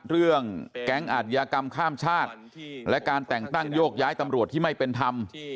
เรื่องแก๊งอาทยากรรมข้ามชาติและการแต่งตั้งโยกย้ายตำรวจที่ไม่เป็นธรรม